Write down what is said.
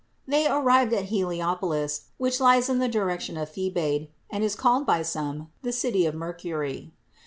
646. They arrived at Hermopolis, which lies in the direction of the Thebaid, and is called by some the city of Mercury.